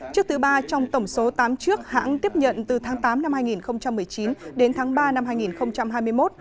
chiếc thứ ba trong tổng số tám chiếc hãng tiếp nhận từ tháng tám năm hai nghìn một mươi chín đến tháng ba năm hai nghìn hai mươi một